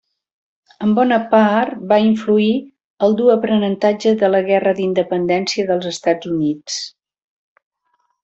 En bona part, va influir el dur aprenentatge de la Guerra d'Independència dels Estats Units.